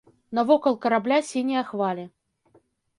Навокал карабля сінія хвалі.